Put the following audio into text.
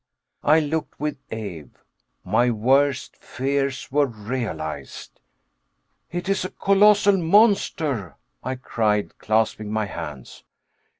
I looked with awe. My worst fears were realized. "It is a colossal monster!" I cried, clasping my hands.